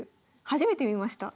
初めて見ました。